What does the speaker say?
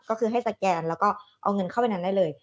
ก็คือให้สแกนแล้วก็เอาเงินเข้าไปนั้นได้เลย